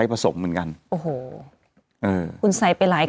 มีสารตั้งต้นเนี่ยคือยาเคเนี่ยใช่ไหมคะ